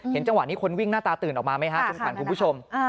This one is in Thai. เห็นจังหวะนี้คนวิ่งหน้าตาตื่นออกมามั้ยฮะสินค้านคุณผู้ชม